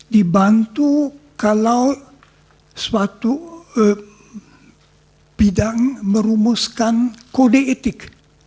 dibantu kalau suatu bidang merumuskan kode etik